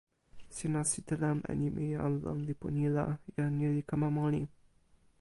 sina sitelen e nimi jan lon lipu ni la, jan ni li kama moli.